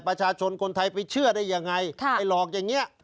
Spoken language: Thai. ประชาชนคนไทยไปเชื่อได้ยังไงไอ้หลอกอย่างนี้